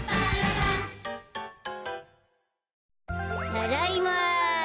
ただいま。